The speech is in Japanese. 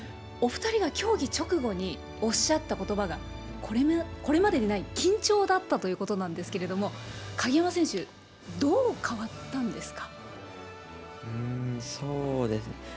お２人が競技直後におっしゃったことばが、これまでにない緊張だったということなんですけれども、鍵山選手、そうですね。